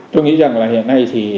tôi nghĩ rằng là hiện nay thì